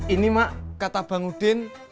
ini mak kata bang udin